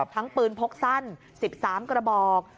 ทั้งปืนพกสั้น๑๓กระบอก